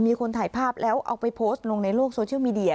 มีคนถ่ายภาพแล้วเอาไปโพสต์ลงในโลกโซเชียลมีเดีย